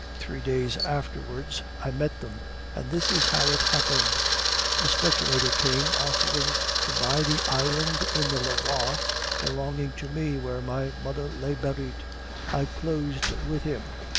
Three days afterwards I met them, and this is how it happened. "A speculator came, offering to buy the island in the Loire belonging to me, where my mother lay buried. I closed with him.